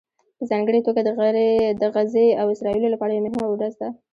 په ځانګړې توګه د غزې او اسرائیلو لپاره یوه مهمه ورځ ده